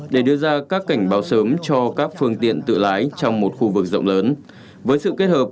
để đưa ra các cảnh báo sớm cho các phương tiện tự lái trong một khu vực rộng lớn với sự kết hợp